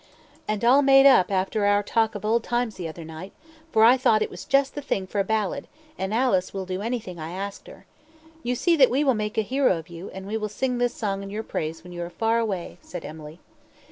"And all made up after our talk of old times the other night; for I thought it was just the thing for a ballad, and Alice will do anything I ask her. You see that we will make a hero of you, and we will sing this song in your praise when you are far away," said Emily.